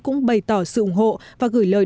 cũng bày tỏ sự ủng hộ và gửi lời